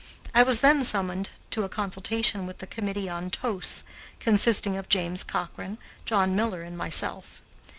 I was then summoned to a consultation with the committee on toasts, consisting of James Cochrane, John Miller, and myself.